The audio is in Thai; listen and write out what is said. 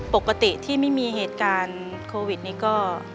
ปกติที่ไม่มีเหตุการณ์โควิดนี้ก็